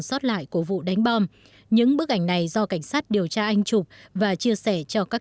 xót lại của vụ đánh bom những bức ảnh này do cảnh sát điều tra anh chụp và chia sẻ cho các